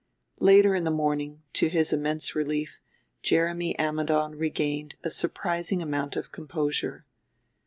Later in the morning, to his immense relief, Jeremy Ammidon regained a surprising amount of composure.